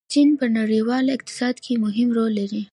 چین په نړیواله اقتصاد کې مهم رول لري.